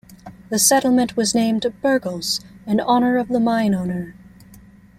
The settlement was named Bergholz in honor of the mine owner.